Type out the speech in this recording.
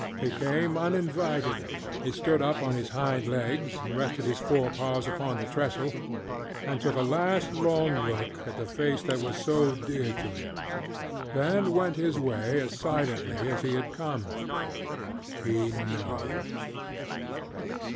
He came uninvited, and stood up on his hind legs and rested his fore paws upon the trestle, and took a last long look at the face that was so dear to him, then went his way as silently as he had come. _He knows.